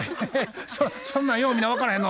そんなんよう見な分からへんの？